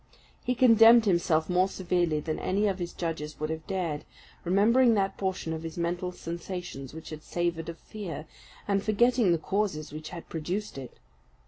He condemned himself more severely than any of his judges would have dared; remembering that portion of his mental sensations which had savoured of fear, and forgetting the causes which had produced it.